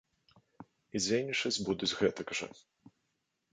І дзейнічаць будуць гэтак жа.